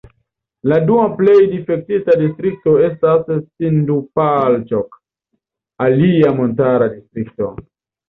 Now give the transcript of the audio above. La dua plej difektita distrikto estas Sindupalĉok, alia montara distrikto.